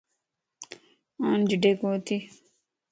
آن جڍي ڪوتي